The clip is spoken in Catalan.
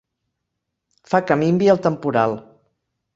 Fa que minvi el temporal.